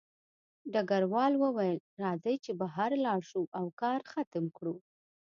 ډګروال وویل راځئ چې بهر لاړ شو او کار ختم کړو